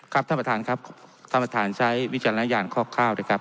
ท่านประธานครับท่านประธานใช้วิจารณญาณคร่าวนะครับ